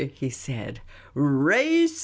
" he said. " Racy !